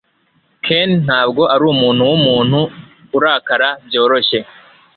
ken ntabwo arumuntu wumuntu urakara byoroshye